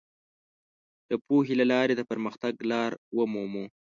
د پوهې له لارې د پرمختګ لار ومومو.